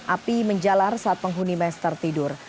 api menjalar saat penghuni mes tertidur